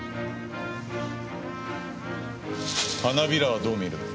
花びらはどう見る？